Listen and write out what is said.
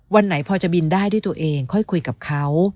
วันไหนพอจะบินได้ด้วยตัวเองค่อยคุยกับเขา